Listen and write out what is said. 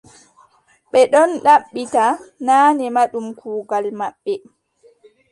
Ɓe ɗon ɗaɓɓita, naane ma ɗum kuugal maɓɓe.